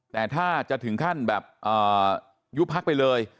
แต่ถ้าจะถึงขั้นแบบยุบพักไปเลย